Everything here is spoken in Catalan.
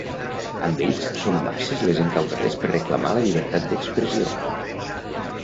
Amb ells són masses les encausades per reclamar la llibertat d’expressió.